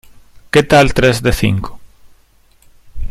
¿ Que tal tres de cinco?